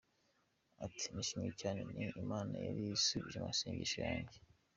Ati “ Nishimye cyane, ni Imana yari isubije amasengesho yanjye.